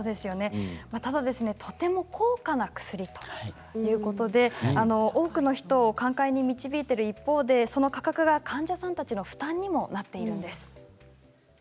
ただ、とても高価な薬ということで多くの人を寛解に導いている一方その価格が患者さんたちの負担にもなっているんです。